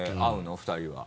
２人は。